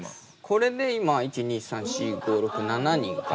これで今１２３４５６７人か。